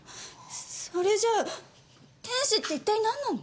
それじゃ天使って一体何なの！？